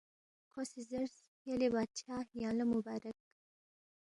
کھو سی زیرس، یلے بادشاہ یانگ لہ مُبارک